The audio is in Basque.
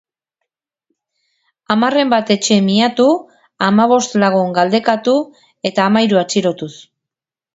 Hamarren bat etxe miatu, hamabost lagun galdekatu eta hamairu atxilotuz.